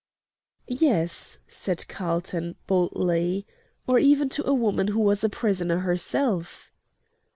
"Yes," said Carlton, boldly, "or even to a woman who was a prisoner herself."